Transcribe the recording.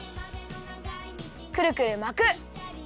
くるくるまく！